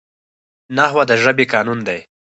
نحوه د ژبي قانون دئ.